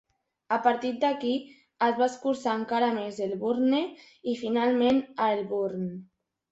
A partir d'aquí, es va escurçar encara més a Elburne, i finalment a Elburn.